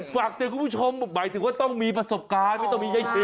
ฝากเตือนคุณผู้ชมหมายถึงว่าต้องมีประสบการณ์ไม่ต้องมียายเช